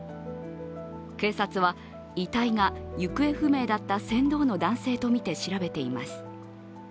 警察は、遺体が行方不明だった船頭の男性とみて調べています。